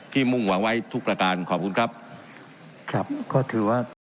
มุ่งหวังไว้ทุกประการขอบคุณครับครับก็ถือว่า